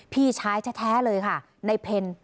พี่ชายแท้เลยค่ะในเพล